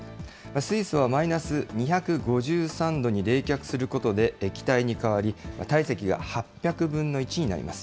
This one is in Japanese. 水素はマイナス２５３度に冷却することで液体に変わり、体積が８００分の１になります。